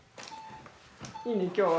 いいね今日は